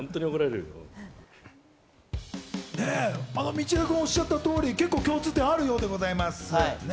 道枝君がおっしゃった通り、結構共通点があるようでございます。